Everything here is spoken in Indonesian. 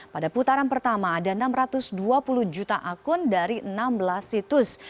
pada putaran pertama ada enam ratus dua puluh juta akun dari enam belas situs